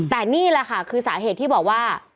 แต่นี่แหละค่ะคือสาเหตุที่บอกว่า